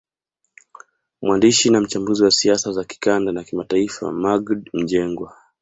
Mwandishi na mchambuzi wa siasa za kikanda na kimataifa Maggid Mjengwa